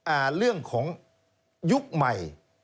อ่าเรื่องของยุคใหม่